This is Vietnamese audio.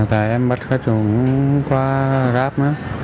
tại em bắt khách xuống qua grab đó